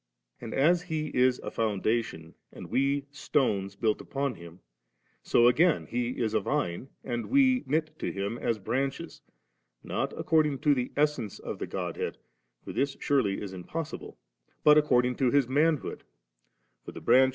And as He Is a foundation, and we stones built upon Him, so again He is a Vine and we knit to Him as branches, — ^not according to the Essence of the Godhead ; for this surely is impossible ; but according to His manhood, for the branches • liatt.